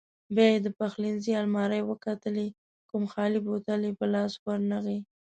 بیا یې د پخلنځي المارۍ وکتلې، کوم خالي بوتل یې په لاس ورنغی.